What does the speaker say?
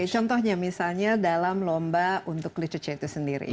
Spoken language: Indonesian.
oke contohnya misalnya dalam lomba untuk literature itu sendiri